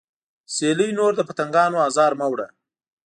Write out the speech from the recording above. سیلۍ نور د پتنګانو ازار مه وړه